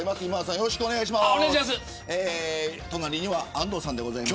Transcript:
よろしくお願いします。